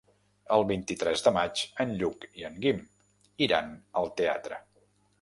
El vint-i-tres de maig en Lluc i en Guim iran al teatre.